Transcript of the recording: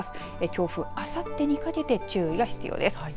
強風、あさってにかけて注意が必要です。